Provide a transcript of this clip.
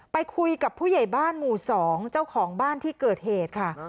ไปคุยกับผู้ใหญ่บ้านหมู่๒เจ้าของบ้านที่เกิดเหตุค่ะ